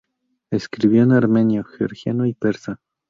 Escribió en armenio, georgiano y persa.